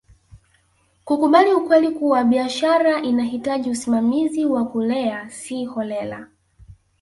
kukubali ukweli kuwa biashara inahitaji usimamizi wa kulea si holela